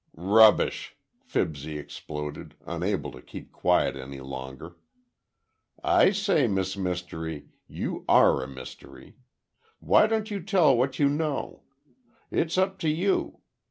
"Rubbish!" Fibsy exploded, unable to keep quiet any longer. "I say, Miss Mystery, you are a mystery! Why don't you tell what you know. It's up to you.